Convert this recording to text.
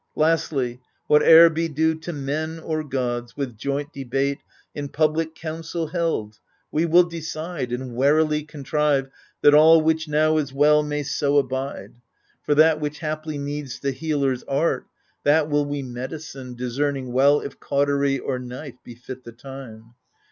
Lastly, whatever be due to men or gods, With joint debate, in public council held. We will decide, and warily contrive That all which now is well may so abide : For that which haply needs the healer's art, That will we medicine, discerning well If cautery or knife befit the time.